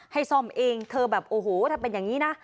ซ่อมเองเธอแบบโอ้โหถ้าเป็นอย่างนี้นะ